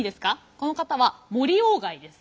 この方は森外です。